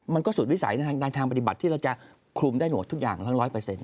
มันก็สุดวิสัยในทางปฏิบัติที่เราจะคลุมได้หมดทุกอย่างทั้ง๑๐๐